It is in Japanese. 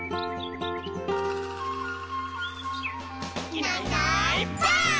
「いないいないばあっ！」